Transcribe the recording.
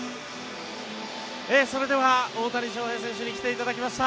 それでは大谷翔平選手に来ていただきました。